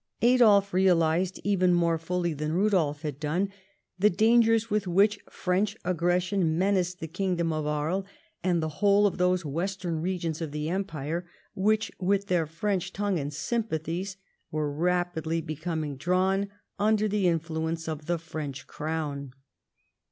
Adolf realised, even more fully than Rudolf had done, the dangers with which French aggression menaced the kingdom of Aries and the whole of those western regions of the Empire, Avhich, with their French tongue and sympathies, were rapidly becoming drawn under the influence of the French crown.